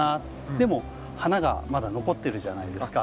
でも花がまだ残ってるじゃないですか。